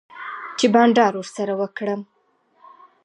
چی بانډار ورسره وکړم